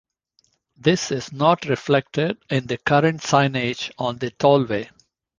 This is not reflected in the current signage on the tollway.